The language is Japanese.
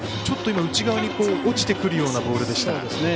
ちょっと今、内側に落ちてくるようなボールでした。